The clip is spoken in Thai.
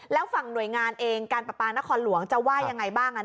แล้วฝั่งหน่วยงานเองการประปานครหลวงจะว่ายังไงบ้าง